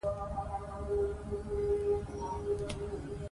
دلته د ګاډو کاروبار څنګه دی؟